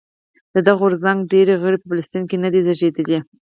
د دغه غورځنګ ډېری غړي په فلسطین کې نه دي زېږېدلي.